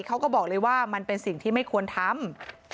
เขาก็บอกเลยว่ามันเป็นสิ่งที่ไม่ควรทำ